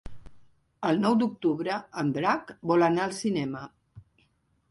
El nou d'octubre en Drac vol anar al cinema.